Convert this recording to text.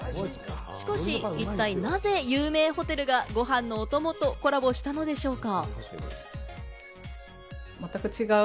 しかし一体なぜ有名ホテルが、ご飯のおともと、コラボしたのでしょうか？